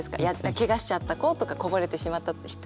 ケガしちゃった子とかこぼれてしまった人とか。